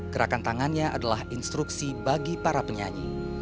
gerakan tangannya adalah instruksi bagi para penyanyi